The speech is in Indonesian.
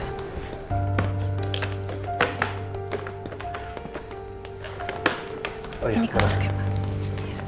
ini kontraknya pak